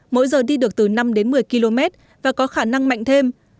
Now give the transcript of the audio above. mỗi giờ đi được từ năm đến một mươi km và có khả năng mạnh thêm